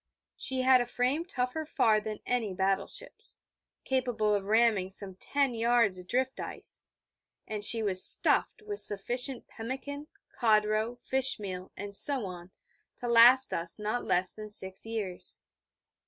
She had a frame tougher far than any battle ship's, capable of ramming some ten yards of drift ice; and she was stuffed with sufficient pemmican, codroe, fish meal, and so on, to last us not less than six years.